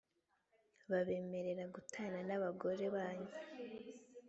babemerera gutana n’abagore banyu